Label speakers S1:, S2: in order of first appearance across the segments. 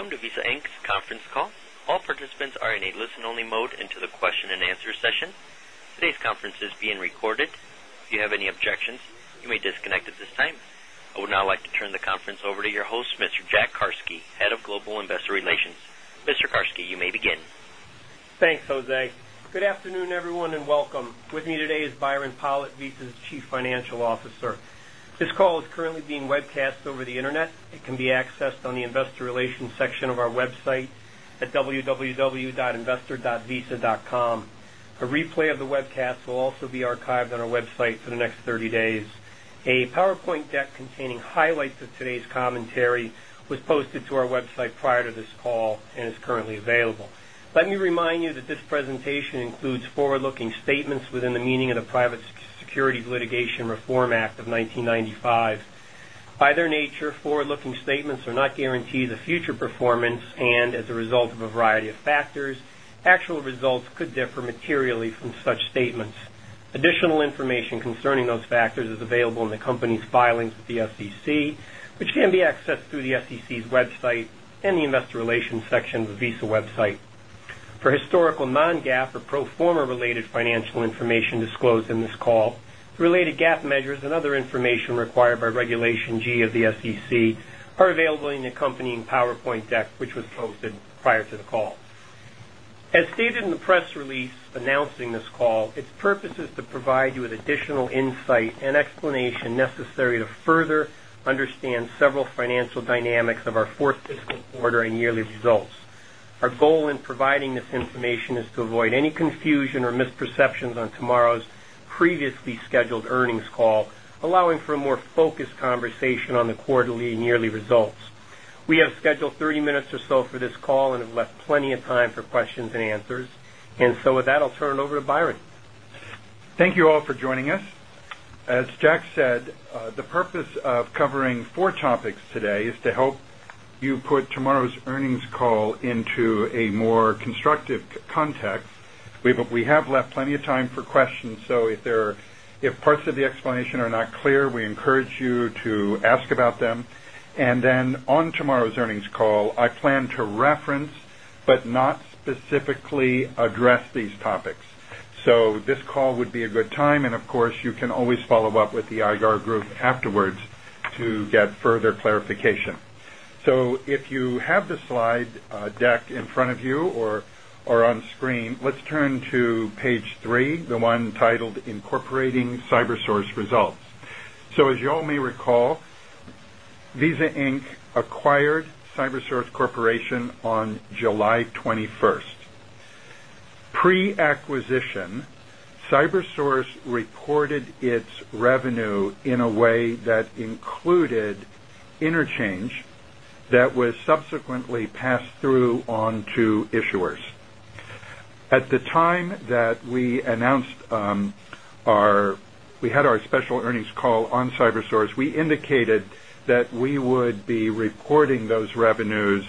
S1: Welcome to Visa Inc. Conference Call. All participants are in a listen only mode until the question and answer session. Today's conference is being recorded. If you have any objections, you may disconnect at this time. I would now like to turn the conference over to your host, Mr. Jack Karski, Head of Global Investor Relations. Mr. Karski, you may begin.
S2: Thanks, Jose. Good afternoon, everyone, and welcome. With me today is Byron Pollitt, Visa's Chief Financial Officer. This call is currently being webcast over the Internet. It can be accessed on the Investor Relations section of our website at www.investor.visa.com. A replay of the webcast will also be archived on our website for the next 30 days. A PowerPoint deck containing highlights of today's commentary was posted to our website prior to this call and is currently available. Let me remind you that this presentation includes forward looking Within the meaning of the Private Securities Litigation Reform Act of 1995. By their nature, forward looking statements are not guarantees of future performance and filings with the SEC, which can be accessed through the SEC's website and the Investor Relations section of the Visa website. For Historical non GAAP or pro form a related financial information disclosed in this call, related GAAP measures and other information required by Regulation G of the SEC are As stated in the press release announcing call. Its purpose is to provide you with additional insight and explanation necessary to further understand several financial dynamics of our 4th and Yearly Results. Our goal in providing this information is to avoid any confusion or misperceptions on tomorrow's previously scheduled earnings call allowing for a more focused conversation on the quarterly and yearly results. We have We're scheduled 30 minutes or so for this call and have left plenty of time for questions and answers. And so with that,
S3: I'll turn it over to Byron. Thank you all for joining call into a more constructive context. We have left plenty of time for questions. So if parts The explanation are not clear. We encourage you to ask about them. And then on tomorrow's earnings call, I plan to reference, but not So this call would be a good time and of course you can always follow-up with the IR group afterwards To get further clarification. So if you have the slide deck in front of you or on screen, let's turn to Page 3, the one titled Incorporating CyberSource Results. So as you all may recall, Visa Inc. Acquired CyberSource Corporation on July 21. Pre acquisition, CyberSource reported its revenue in a way that included interchange that was subsequently passed through on to issuers. At the time that we announced our We had our special earnings call on CyberSource. We indicated that we would be reporting those revenues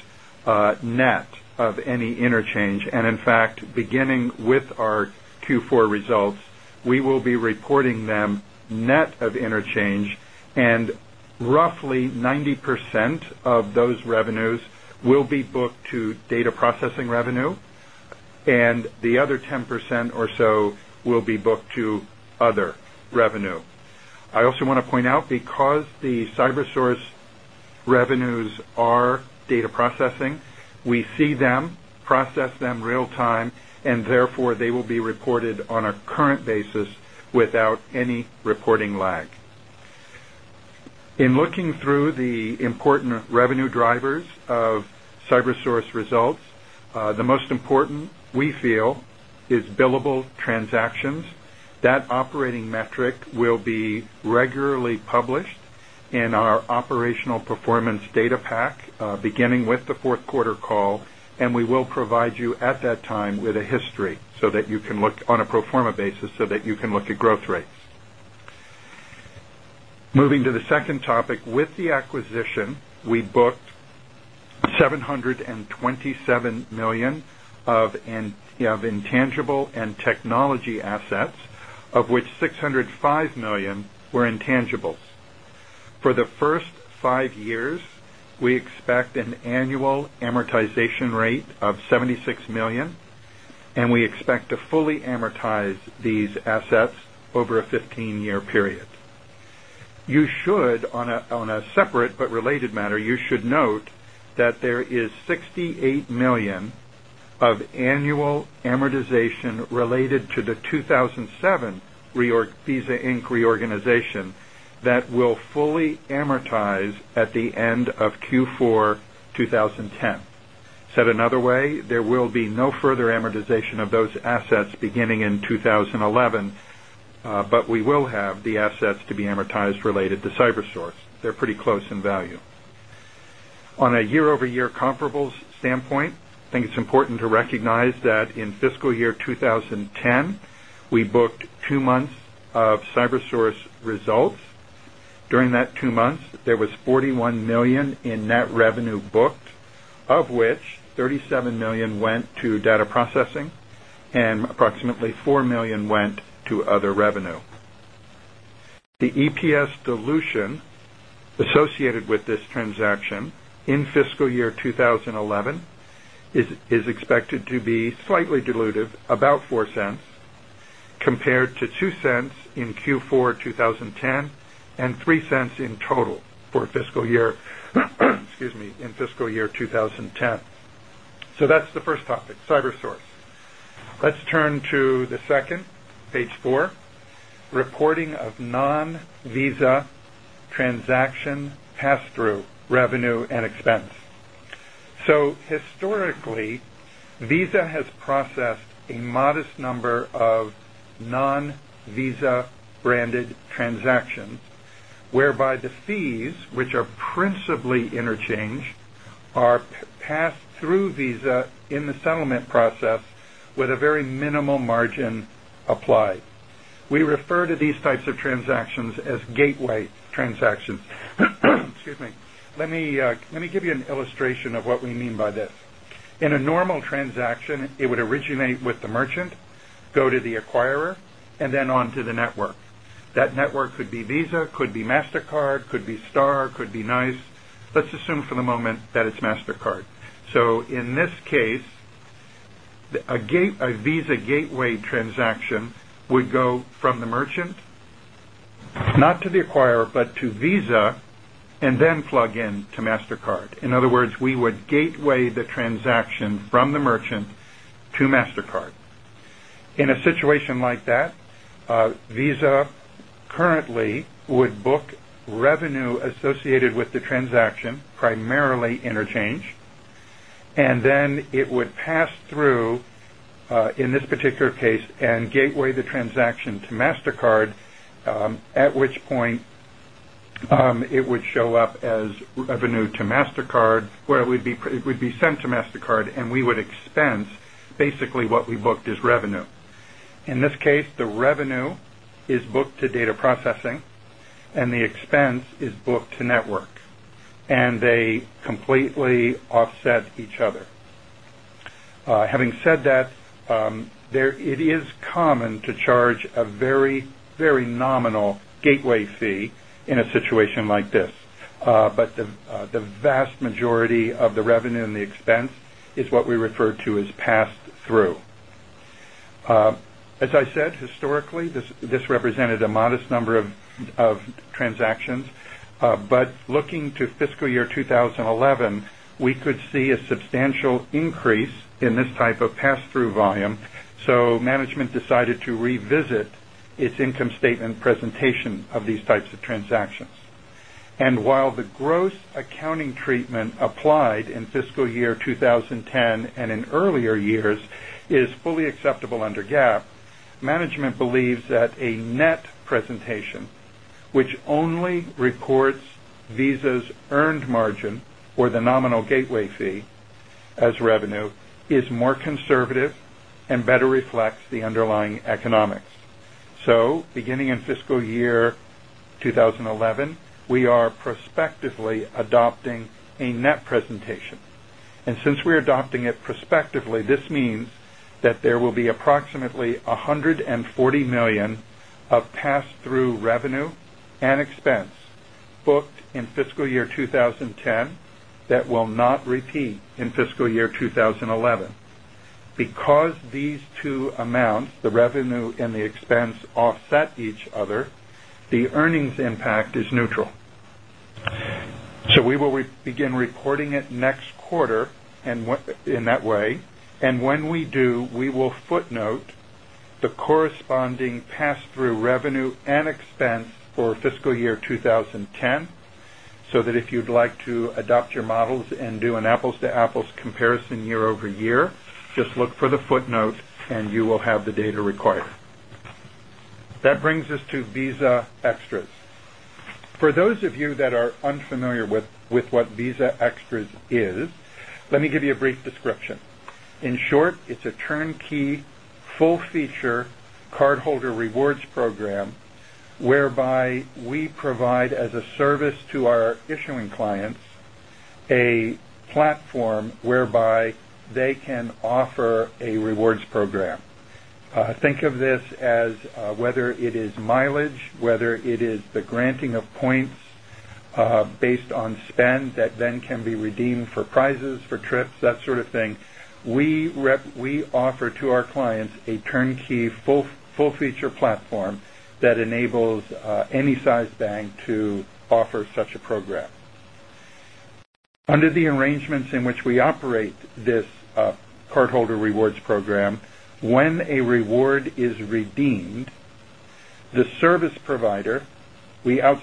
S3: Net of any interchange and in fact beginning with our Q4 results, we will be reporting them net of interchange And roughly 90% of those revenues will be booked to data processing revenue and the other 10% or so We'll be booked to other revenue. I also want to point out because the CyberSource revenues are In looking through the important revenue drivers of CyberSource results. The most important we feel is billable transactions. That operating metric will be Regularly published in our operational performance data pack beginning with the Q4 call and we will Provide you at that time with a history so that you can look on a pro form a basis so that you can look at growth rates. Moving The second topic with the acquisition, we booked $727,000,000 of intangible and 5 years, we expect an annual amortization rate of $76,000,000 and we expect to fully amortize these assets over a 15 year period. You should on a separate but related matter, you should note that there is 68,000,000 of annual amortization related to the 2,007 Visa Inc. Reorganization That will fully amortize at the end of Q4 2010. Said another way, there will be No further amortization of those assets beginning in 2011, but we will have the assets to be amortized related to CyberSource. They're pretty close On a year over year comparables standpoint, I think it's important to recognize that in fiscal year 20 We booked 2 months of CyberSource results. During that 2 months, there was $41,000,000 in net revenue booked, Of which $37,000,000 went to data processing and approximately $4,000,000 went to other revenue. The EPS dilution associated with this transaction in fiscal year 2011 is expected to slightly dilutive about $0.04 compared to $0.02 in Q4 2010 and $0.03 Let's turn to the second, Page 4, reporting of non Visa transaction Pass through revenue and expense. So historically Visa has processed a modest number of Our pass through Visa in the settlement process with a very minimal margin applied. We refer These types of transactions as gateway transactions. Excuse me. Let me give you an illustration of what we mean by this. In a normal transaction, it would originate with the merchant, go to the acquirer and then on to the network. That network could be Visa, could Mastercard could be Star, could be NICE. Let's assume for the moment that it's Mastercard. So in this case, A Visa gateway transaction would go from the merchant, not to the acquirer, but to Visa And then plug in to Mastercard. In other words, we would gateway the transaction from the merchant to Mastercard. In a Merrily interchange and then it would pass through in this particular case and gate The transaction to Mastercard, at which point, it would show up as revenue to Mastercard where it would be sent Mastercard and we would expense basically what we booked as revenue. In this case, the revenue is booked to data processing And the expense is book to network and they completely offset each other. Having said that, it is common to charge a very, very nominal gateway fee in a situation like this, but the vast majority of the revenue and the expense is what we refer to as passed through. As I said, historically, this represented a modest number of transactions. But looking to fiscal year 2011, we could see a substantial increase in this type of pass through volume. So So management decided to revisit its income statement presentation of these types of transactions. And while the gross accounting Management believes that a net presentation, which only records Visa's earned margin or the nominal gateway fee As revenue is more conservative and better reflects the underlying economics. So beginning in fiscal year 2011, we are prospectively adopting a net presentation. And since we are adopting it prospectively, this means that there will That each other, the earnings impact is neutral. So we will begin reporting it next quarter in that way. And when we do, we will footnote the corresponding pass through revenue and expense for fiscal year That brings us to Visa Extras. For those of you that are unfamiliar With what Visa Extras is, let me give you a brief description. In short, it's a turnkey full feature card A platform whereby they can offer a rewards program. Think That then can be redeemed for prizes, for trips, that sort of thing. We offer to our clients a turnkey full feature platform That enables any size bank to offer such a program. Under the arrangements in which we operate this Cardholder Rewards Program. When a reward is redeemed, the service provider, And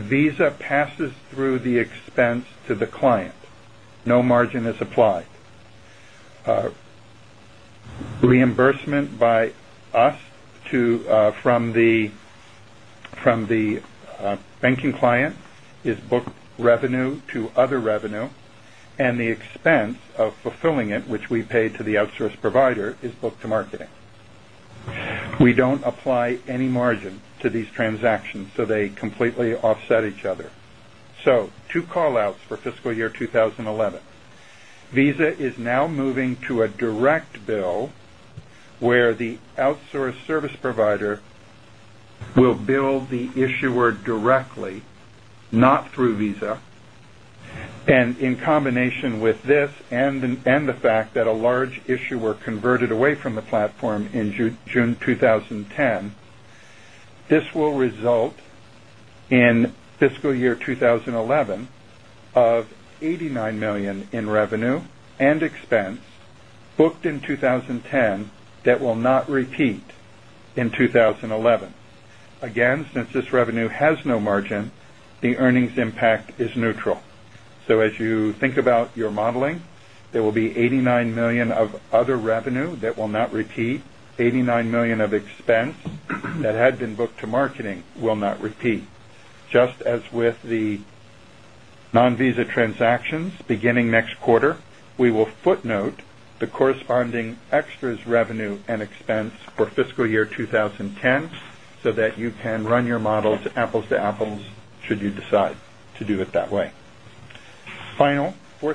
S3: Visa passes through the expense to the client. No margin is applied. Reimbursement by us to from the banking client is booked revenue to other revenue and the expense of fulfilling it, which we pay to the outsourced provider is book to marketing. We don't apply any margin to these transactions, so they completely offset each other. So two call outs for fiscal year 2011. Visa is now moving to a direct bill where the outsourced service provider Combination with this and the fact that a large issuer converted away from the platform in June 2010, This will result in fiscal year 2011 of $89,000,000 in revenue And expense booked in 2010 that will not repeat in 2011. Again, since this revenue has no margin, The earnings impact is neutral. So as you think about your modeling, there will be $89,000,000 of other revenue that will $89,000,000 of expense that had been booked to marketing will not repeat. Just as with the Final, 4th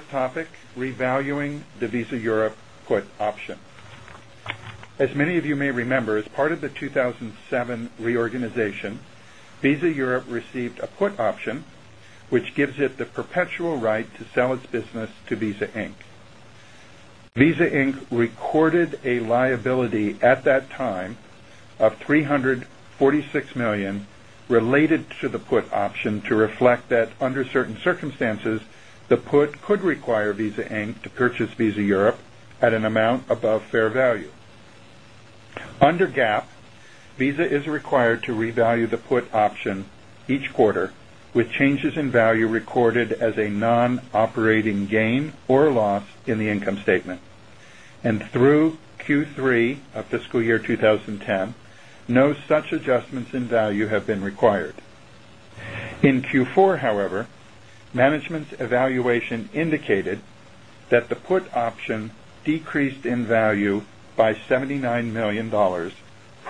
S3: topic, revaluing the Visa Europe put option. As many of you may remember, As part of the 2007 reorganization, Visa Europe received a put option, which gives it the perpetual right to sell its At an amount above fair value. Under GAAP, Visa is required to revalue the put option each quarter with changes in value recorded as a non operating gain or loss in the income statement And through Q3 of fiscal year 2010, no such adjustments in value have been required. In Q4, However, management's evaluation indicated that the put option decreased in value by $79,000,000 Our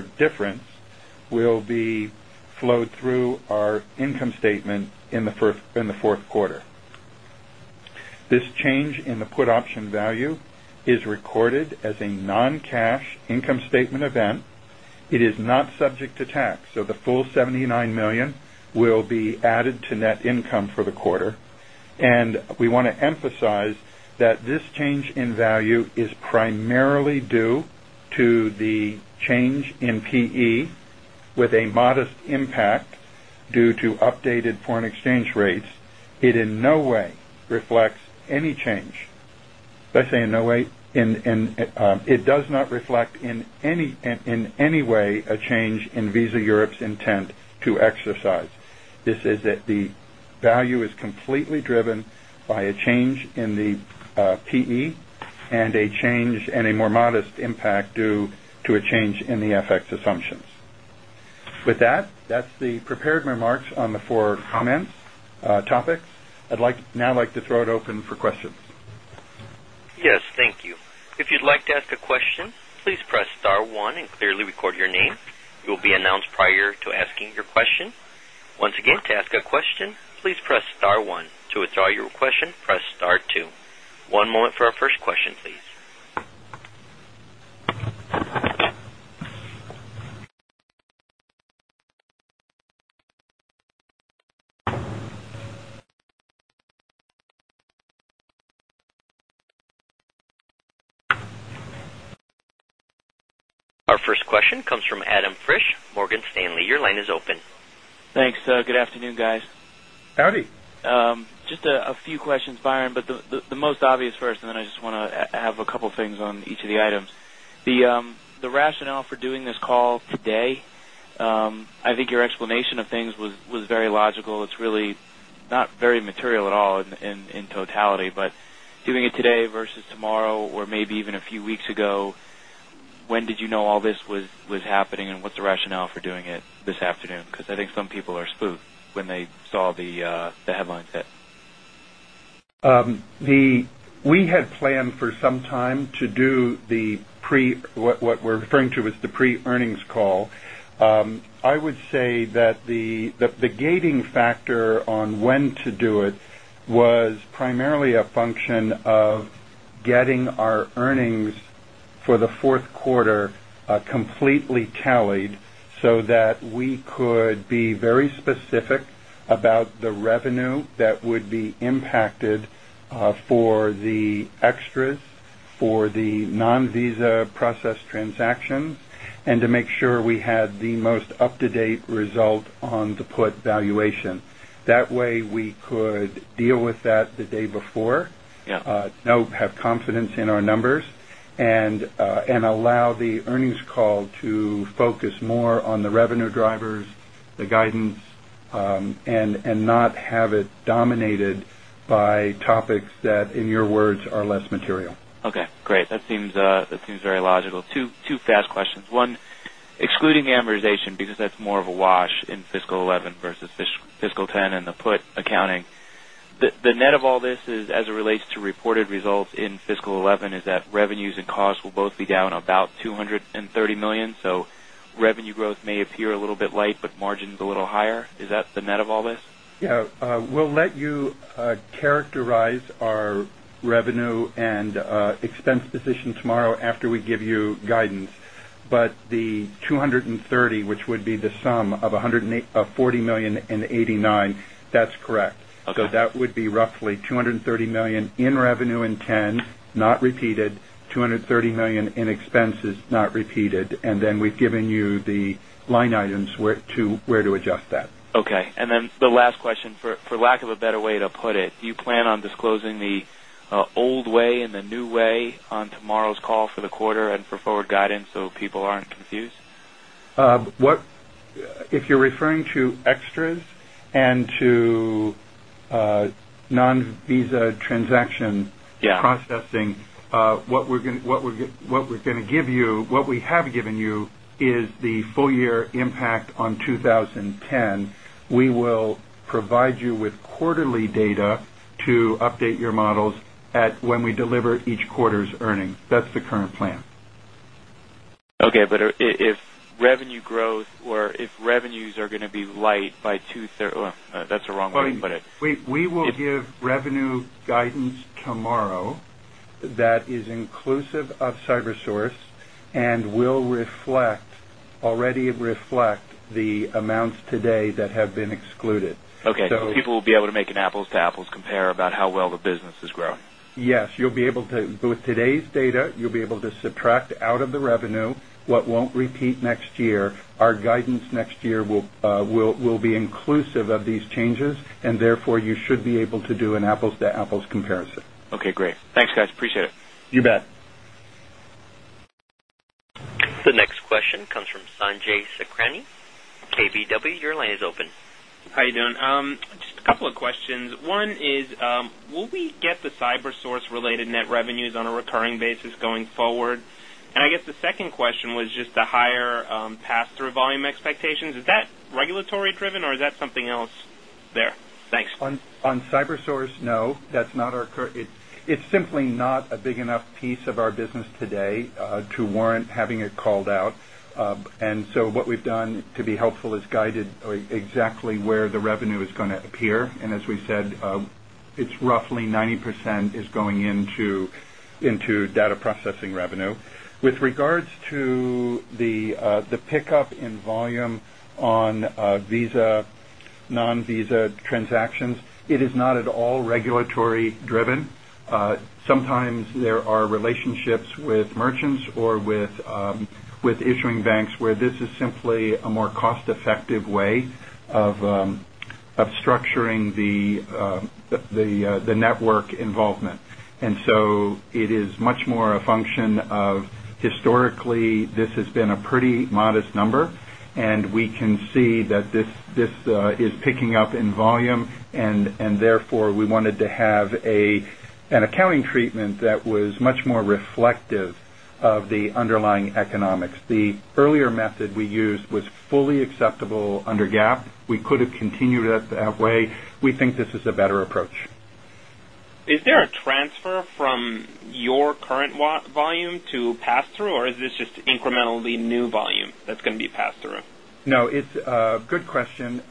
S3: difference will be flowed through our income statement in the 4th quarter. This change in the put option value is recorded as a non cash income statement event. It is not subject to tax. So the full $79,000,000 will be added to net income for the quarter. And We want to emphasize that this change in value is primarily due to the change in PE with a modest Due to updated foreign exchange rates, it in no way reflects any change. I say in no way, it does not reflect in any way a change in Visa Europe's intent to exercise. This is The value is completely driven by a change in the PE and a change and a more modest impact due to a change With that, that's the prepared remarks on the forward comments, topics. I'd now I'd like to throw it open for questions.
S1: Yes, thank to asking your questions. Our first question comes from Adam Frisch, Morgan Stanley. Your line is open.
S4: Thanks. Good afternoon, guys.
S3: Howdy.
S4: Just a few questions, Byron, but the most obvious first and then I just want to have a couple of things on each of the items. The rationale for doing this call today, I think your explanation of things was very logical. It's really Not very material at all in totality, but doing it today versus tomorrow or maybe even a few weeks ago, When did you know all this was happening? And what's the rationale for doing it this afternoon? Because I think some people are spooked when they saw the headline set.
S3: We had planned for some time to do the pre what we're referring to as the pre earnings call. I would say that the gating factor on when to do it was primarily a function of Getting our earnings for the 4th quarter completely tallied so that we could be very specific About the revenue that would be impacted for the extras for the non Visa Process transactions and to make sure we had the most up to date result on the put valuation. That way We could deal with that the day before. Now have confidence in our numbers And allow the earnings call to focus more on the revenue drivers, the guidance and not have it Dominated by topics that in your words are less material.
S4: Okay, great. That seems very logical. Two fast questions. 1, Excluding amortization because that's more of a wash in fiscal 2011 versus fiscal 2010 and the put accounting, the net of all this is as it relates to reported results In fiscal 2011 is that revenues and costs will both be down about $230,000,000 So revenue growth may appear a little bit light, But margins a little higher, is that the net of all this?
S3: Yes. We'll let you characterize our revenue And expense position tomorrow after we give you guidance, but the $230,000,000 which would be the sum of $40,089,000,000 That's correct. So that would be roughly $230,000,000 in revenue in 10, not repeated, dollars 230,000,000 Expenses not repeated and then we've given you the line items where to adjust that.
S4: Okay. And then the last question for lack of a better way to put it, You plan on disclosing the old way and the new way on tomorrow's call for the quarter and for forward guidance, so people aren't confused?
S3: What if you're referring to extras and to non Visa Transaction processing, what we're going to give you what we have given you is the
S4: Okay. But if Revenue growth or if revenues are going to be light by 2 thirds that's a wrong way to
S5: put it.
S3: We will give amounts today that have been excluded.
S4: Okay. So people will be able to make an apples to apples compare about how well the business is growing?
S3: Yes. You'll be able to with today's data, you'll be To subtract out of the revenue, what won't repeat next year, our guidance next year will be inclusive of these changes and
S1: The next question comes from Sanjay Sakhrani, KBW. Your line is open.
S4: How are you doing?
S1: Just a
S6: couple of questions. One is, Will we get the CyberSource related net revenues on a recurring basis going forward? And I guess the second question was just the higher pass through volume expectations. Is Regulatory driven or is that something else there? Thanks.
S3: On CyberSource, no, that's not our it's simply Not a big enough piece of our business today to warrant having it called out. And so what we've done to Helpful is guided exactly where the revenue is going to appear. And as we said, it's roughly 90% is Going into data processing revenue. With regards to the pickup in volume Sometimes there are relationships with merchants or with issuing banks where this is simply a more Cost effective way of structuring the network involvement. And So it is much more a function of historically, this has been a pretty modest number and we can see that this is Picking up in volume and therefore we wanted to have an accounting treatment that was much more reflective of the
S6: Is there a transfer from your current volume to pass through or is this just incrementally new volume that's going to be pass through?
S3: No, it's a good question.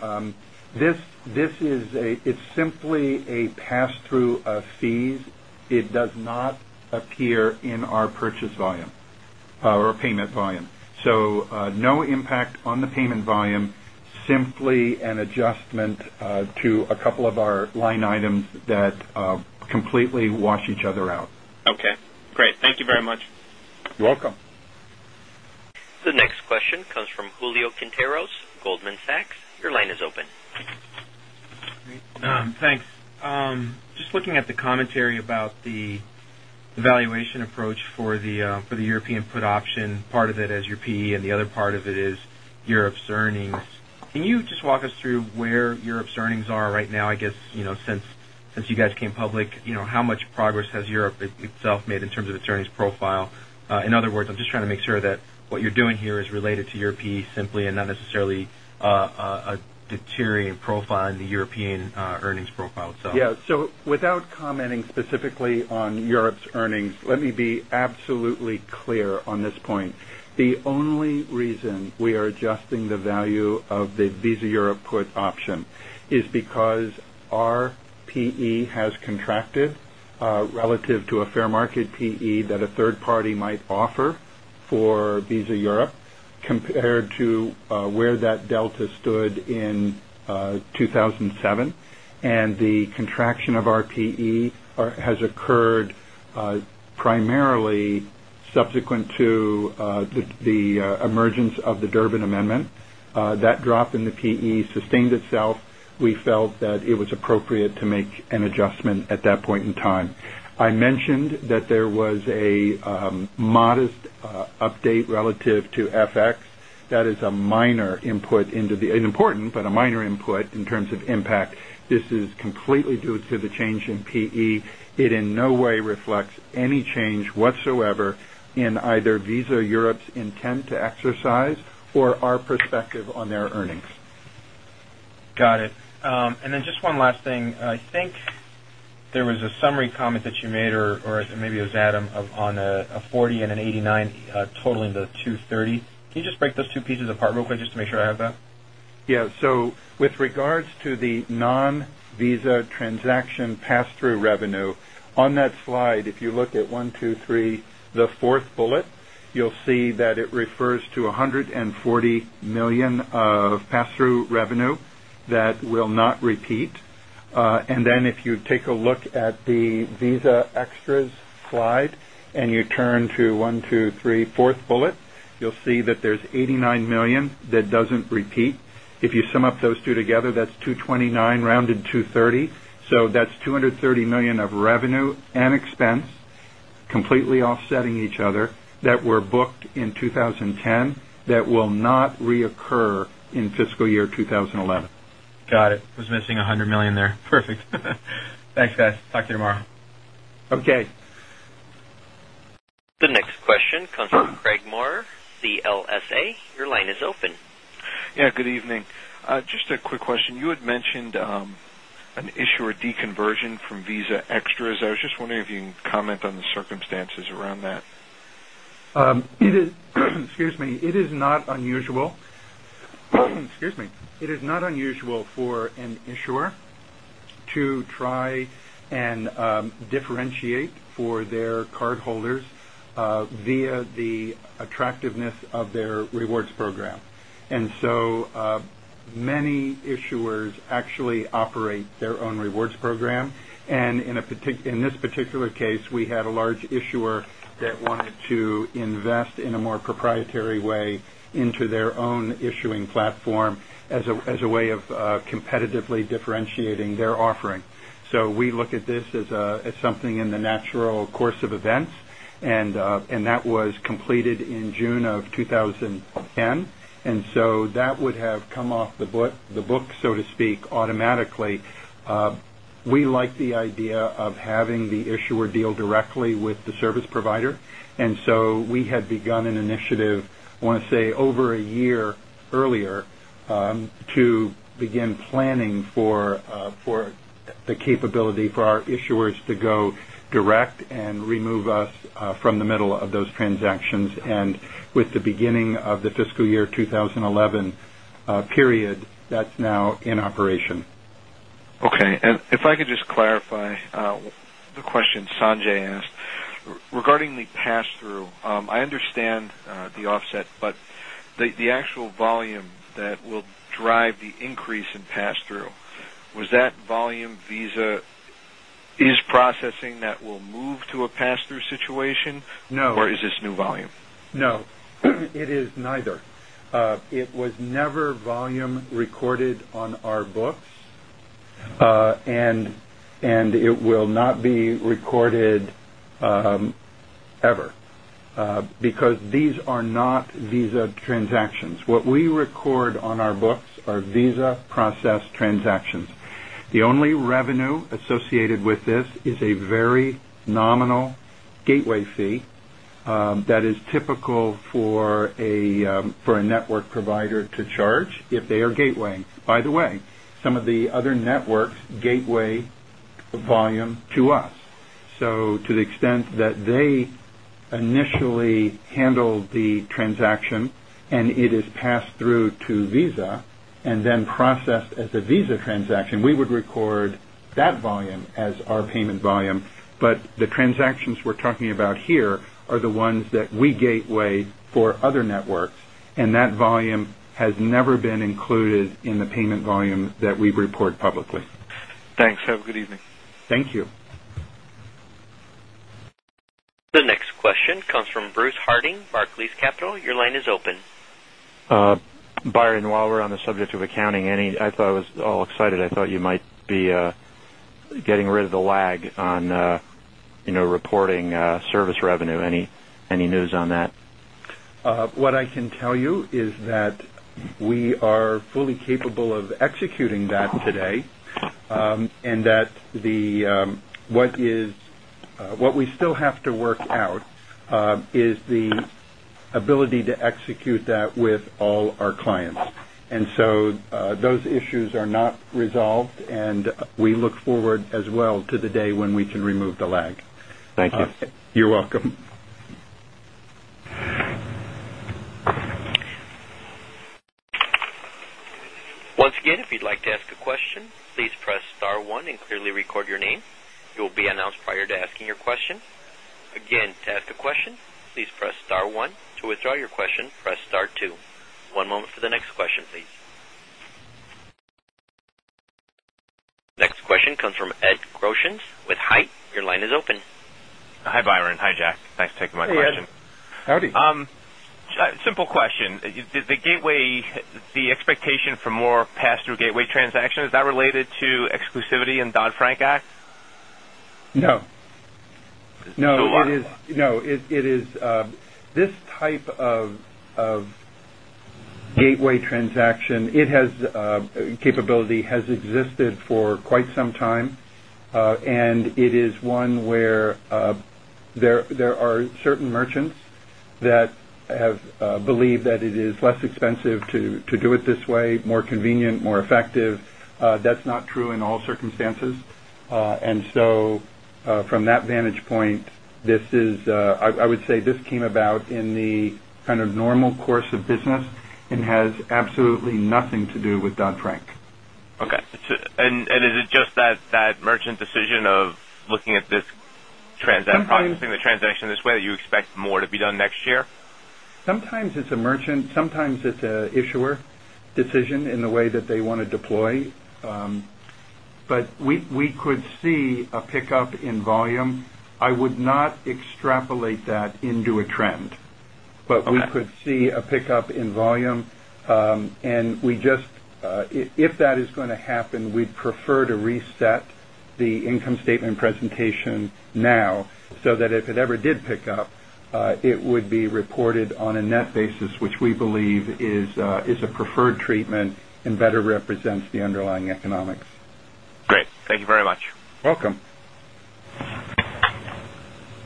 S3: This is a it's simply a pass through of fees. It does not appear in our purchase volume our payment volume. So, no impact on the payment volume, simply An adjustment to a couple of our line items that completely wash each other out.
S6: Okay, great. Thank
S1: The next question comes from Julio Quinteros, Goldman Sachs.
S2: Just looking at the commentary about
S7: the valuation approach for the European put option, part of it is your PE and the other It is Europe's earnings. Can you just walk us through where Europe's earnings are right now? I guess since you guys came public, How much progress has Europe itself made in terms of its earnings profile? In other words, I'm just trying to make sure that what you're doing here is related to Europe simply and not necessarily A deteriorating profile in the European earnings profile itself.
S3: Yes. So without commenting specifically on Europe's earnings, let me Because RPE has contracted relative to a fair market PE that a third party might offer for Visa Compared to where that delta stood in 2,007 and the contraction of RPE has heard primarily subsequent to the emergence of the Durbin Amendment. That drop in the PE It sustained itself. We felt that it was appropriate to make an adjustment at that point in time. I mentioned that there was a modest Date relative to FX, that is a minor input into the an important, but a minor input in terms of impact. This is Completely due to the change in PE, it in no way reflects any change whatsoever in either Visa Europe's intent to
S7: comments that you made or maybe it was Adam on a $40,000,000 $89,000,000 totaling the $230,000,000 Can you just break those two Just
S6: to make sure I have that.
S3: Yes. So with regards to the non Visa transaction pass through revenue, on that slide, If you look at 1, 2, 3, the 4th bullet, you'll see that it refers to $140,000,000 of pass through revenue that will And then if you take a look at the Visa Extras slide and you turn to 1, 2, 3, 4th bullet, you'll see There's $89,000,000 that doesn't repeat. If you sum up those 2 together, that's $229,000,000 rounded $230,000,000 So That's $230,000,000 of revenue and expense completely offsetting each other that were booked in 2010 that will not reoccur In fiscal year 2011. Got it.
S7: I was missing $100,000,000 there. Perfect. Thanks guys. Talk to you tomorrow.
S3: Okay.
S1: The next question comes from Craig Maurer, CLSA. Your line is open.
S3: Yes, good evening. Just a quick question. You had mentioned An issuer deconversion from Visa Extras. I was just wondering if you can comment on the circumstances around that? Excuse me. It is not It is not unusual for an issuer to try and differentiate For their cardholders via the attractiveness of their rewards program. And so Many issuers actually operate their own rewards program. And in this particular case, we had a large issuer that wanted So we look at this as something in the natural course of events and that was completed in June of 2010. And so that would have come off the book, so to speak, automatically. We like the idea of having the issuer deal directly with the service provider. And so we had begun an initiative, I want to say over a year Earlier, to begin planning for the capability for our issuers to go direct and remove us From the middle of those transactions and with the beginning of the fiscal year 2011 period, that's now Okay. And if I could just clarify the question Sanjay asked. Regarding the pass through, I understand the offset, but the actual volume that will drive the increase in pass through, was that volume Visa Is processing that will move to a pass through situation? No. Or is this new volume? No. It is neither. It was never volume recorded on our books and it will not be recorded Ever, because these are not Visa transactions. What we record on our books Visa Process Transactions. The only revenue associated with this is a very nominal gateway fee That is typical for a network provider to charge if they are gateway. By the way, Some of the other networks gateway volume to us. So to the extent that they initially
S1: The next question comes from Bruce Harding, Barclays Capital. Your line
S8: is open. Byron, while we're on the subject of accounting, Annie, I thought I was all excited. I thought you might The getting rid of the lag on reporting service revenue, any news on that?
S3: What I can tell you is that we are fully capable of executing that today And that the what is what we still have to work out is the Ability to execute that with all our clients. And so those issues are not resolved, and
S1: Next question comes from Ed Grosjens with HITE. Your line is open.
S6: Hi, Byron. Hi, Jack. Thanks for taking my question.
S3: Hi, Ed. Howdy.
S6: Simple question. The gateway the expectation for more pass through gateway transaction, is that related to exclusivity in Dodd Frank, I
S3: guess? No. No, it is this type of Gateway transaction, it has capability has existed for quite some time and it is one where There are certain merchants that have believed that it is less expensive to do it this way, more convenient, more effective. That's not true in all circumstances. And so from that vantage point, this is I would say This came about in the kind of normal course of business and has absolutely nothing to do with Dodd Frank.
S6: Okay. And is it just that merchant decision of looking at this transaction processing the transaction this way that you expect more to be done next year?
S3: Sometimes it's a merchant, sometimes it's a issuer decision in the way that they want to deploy. But we could see a pickup In volume, I would not extrapolate that into a trend, but we could see a pickup in volume. And we just if that is going to happen, we'd prefer to reset the income statement presentation now so that if it ever did pick It would be reported on a net basis, which we believe is a preferred treatment and better represents the underlying
S6: Great. Thank you very much.
S3: Welcome.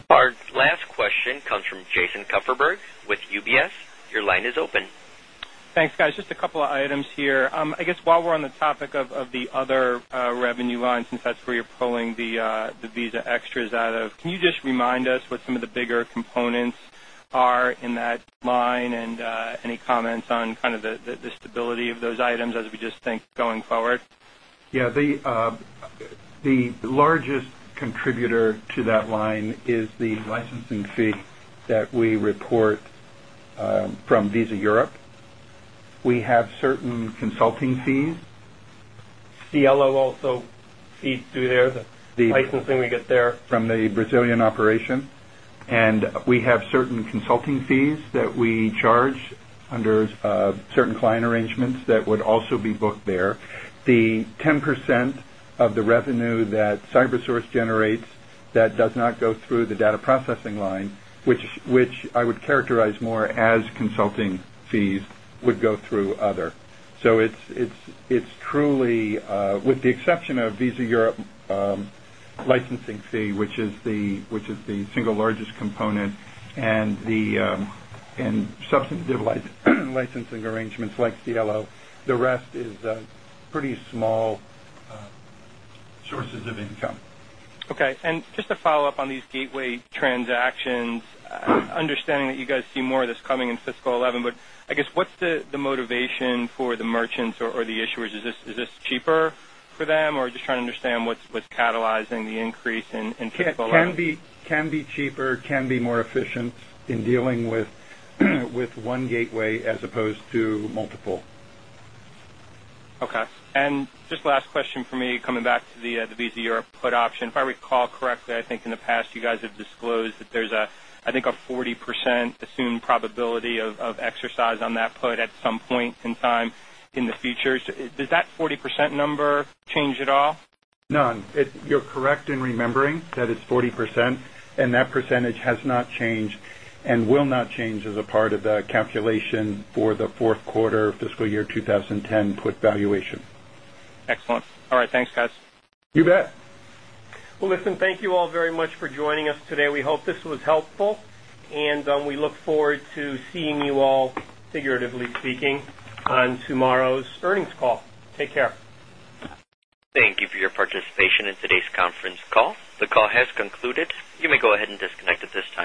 S1: Our last question comes from Jason Kupferberg with BS, your line is open.
S5: Thanks, guys. Just a couple of items here. I guess, while we're on the topic of the other revenue line, since that's where Pulling the Visa Extras out of. Can you just remind us what some of the bigger components are in that line and any comments on kind of the The stability of those items as we just think going forward.
S3: Yes. The largest contributor to that line is the licensing fee That we report from Visa Europe. We have certain consulting fees.
S2: CLO also The
S3: licensing we get there from the Brazilian operation and we have certain consulting fees that we charge under Certain client arrangements that would also be booked there. The 10% of the revenue that CyberSource generates that does not Go through the data processing line, which I would characterize more as consulting fees would go through So it's truly with the exception of Visa Europe licensing fee, Which is the single largest component and the and substantive licensing arrangements like Cielo, the The rest is pretty small sources of income.
S5: Okay. And just a follow-up on these gateway Transactions, understanding that you guys see more of this coming in fiscal 'eleven, but I guess what's the motivation for the merchants or the issuers? Is this cheaper I'm just trying to understand what's catalyzing the increase in people out.
S3: It can be cheaper, can be more efficient in dealing With one gateway as opposed to multiple.
S5: Okay. And just last question for me coming back to the Visa Europe Put option. If I recall correctly, I think in the past you guys have disclosed that there's a, I think, a 40% assumed probability of exercise on that put at some point And time in the future, does that 40% number change at all?
S3: None. You're correct in remembering that it's 40% And that percentage has not changed and will not change as a part of the calculation for the Q4 fiscal year 20 10 put valuation.
S5: Excellent. All right. Thanks, guys.
S3: You bet.
S2: Well, listen, thank you all very much for joining us today. We hope this was helpful. And we look forward to seeing you all figuratively speaking on tomorrow's earnings call. Take care.
S1: Thank you for your participation in today's conference call. The call has concluded. You may go ahead and disconnect at this time.